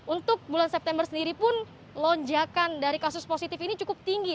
untuk bulan september sendiri pun lonjakan dari kasus positif ini cukup tinggi